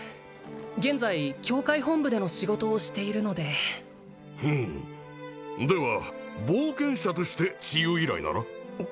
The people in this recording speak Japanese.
現在教会本部での仕事をしているのでフンでは冒険者として治癒依頼なら？